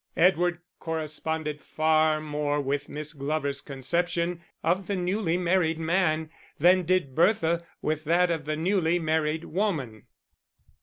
Edward corresponded far more with Miss Glover's conception of the newly married man than did Bertha with that of the newly married woman.